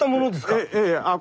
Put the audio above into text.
ええ。